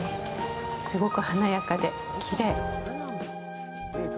すごく華やかできれい。